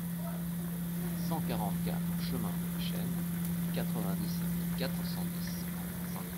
cent quarante-quatre chemin La Chaîne, quatre-vingt-dix-sept, quatre cent dix à Saint-Pierre